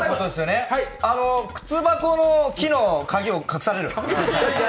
靴箱の木の鍵を隠される。